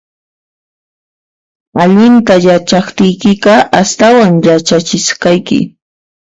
Allinta yachaqtiykiqa, astawan yachachisqayki